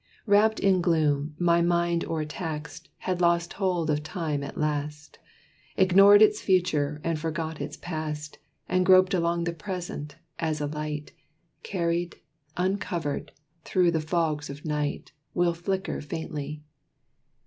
Wrapped in gloom, My mind, o'er taxed, lost hold of time at last, Ignored its future, and forgot its past, And groped along the present, as a light, Carried, uncovered, through the fogs of night, Will flicker faintly.